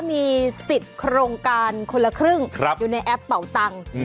มีสิทธิ์โครงการคนละครึ่งอยู่ในแอปเป่าตังค์